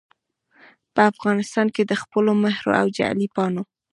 په افغانستان کې دخپلو مهرو او جعلي پاڼو